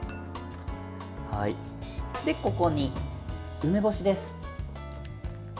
ここに梅干しです。